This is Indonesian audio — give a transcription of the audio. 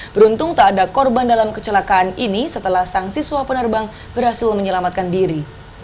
beruntung tak ada korban dalam kecelakaan ini setelah sang siswa penerbang berhasil menyelamatkan diri